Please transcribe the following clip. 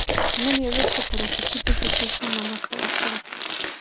نن یې ورور په ترافیکي پېښه کې ژوند له لاسه ورکړی.